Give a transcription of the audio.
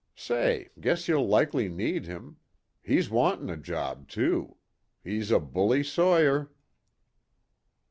Say, guess you'll likely need him. He's wantin' a job too. He's a bully sawyer."